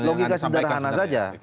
logika sederhana saja